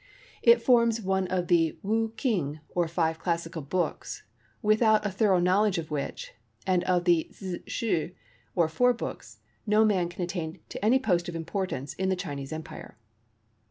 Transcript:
It forms one of the Woo King or Five Classical Books, without a thorough knowledge of which, and of the Sze Shoo or Four Books, no man can attain to any post of importance in the Chinese Empire.